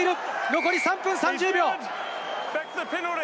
残り３分３０秒。